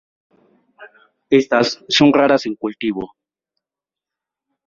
Estas son raras en cultivo.